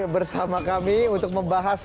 bersama kami untuk membahas